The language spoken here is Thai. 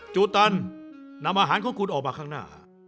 จูตันนำอาหารของคุณออกมาข้างหน้า